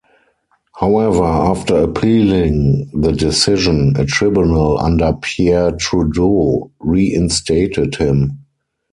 However, after appealing the decision, a tribunal under Pierre Trudeau reinstated him.